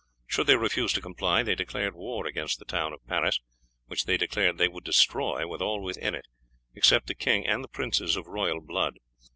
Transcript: Should they refuse to comply, they declared war against the town of Paris, which they declared they would destroy, with all within it except the king and the princes of royal blood.